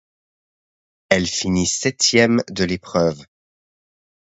Elle finit septième de l'épreuve.